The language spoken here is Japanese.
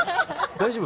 大丈夫？